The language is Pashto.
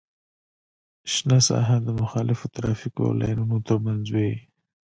شنه ساحه د مخالفو ترافیکي لاینونو ترمنځ وي